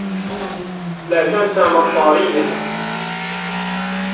لا تنس مطرّيتك.